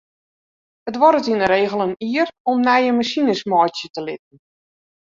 It duorret yn de regel in jier om nije masines meitsje te litten.